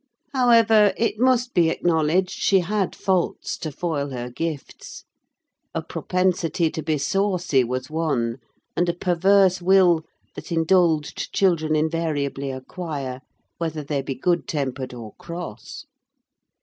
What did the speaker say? However, it must be acknowledged, she had faults to foil her gifts. A propensity to be saucy was one; and a perverse will, that indulged children invariably acquire, whether they be good tempered or cross.